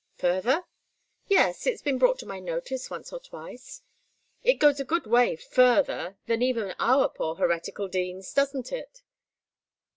"Further? Yes, it's been brought to my notice once or twice. It goes a good way 'further' than even our poor heretical deans, doesn't it?"